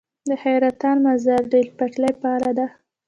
د حیرتان - مزار ریل پټلۍ فعاله ده؟